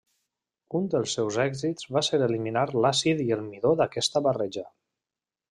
Un dels seus èxits va ser eliminar l'àcid i el midó d'aquesta barreja.